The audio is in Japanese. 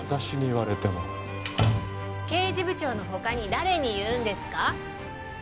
私に言われても刑事部長の他に誰に言うんですか？